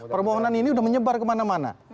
permohonan ini sudah menyebar kemana mana